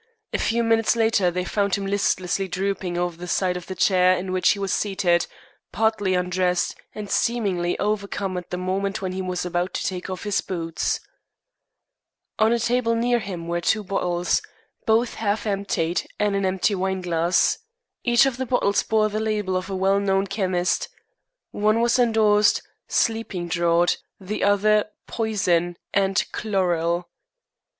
A few minutes later they found him listlessly drooping over the side of the chair in which he was seated, partly undressed, and seemingly overcome at the moment when he was about to take off his boots. On a table near him were two bottles, both half emptied, and an empty wineglass. Each of the bottles bore the label of a well known chemist. One was endorsed "Sleeping draught," the other "Poison," and "Chloral."